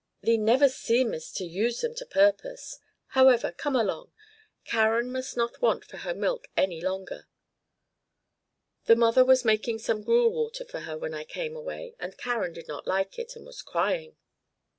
Thee never seemest to use them to purpose. However, come along. Karen must not want for her milk any longer. The mother was making some gruel water for her when I came away, and Karen did not like it, and was crying."